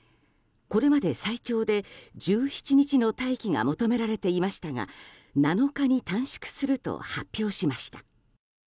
これまで最長で１７日の待機が求められていましたが７日に短縮すると発表しました。